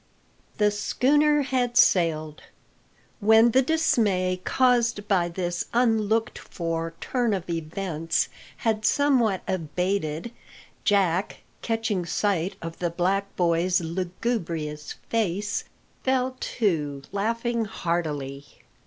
The schooner had sailed! When the dismay caused by this unlooked for turn of events had somewhat abated, Jack, catching sight of the black boy's lugubrious face, fell to laughing heartily.